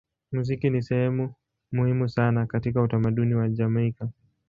Muziki ni sehemu muhimu sana katika utamaduni wa Jamaika.